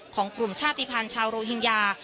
ของกลุ่มชาติภัณฑ์ชาวโรฮิงญา